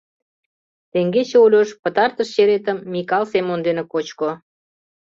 — Теҥгече Ольош пытартыш черетым Микал Семон дене кочко.